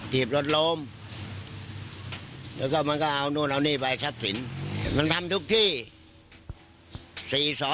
จีบรถโลมแล้วก็มันก็เอานู่นเอานี่ไปชัดสินมันทำทุกที่สี่สอนอ